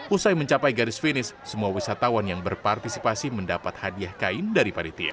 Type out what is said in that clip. usai mencapai garis finish semua wisatawan yang berpartisipasi mendapat hadiah kain dari panitia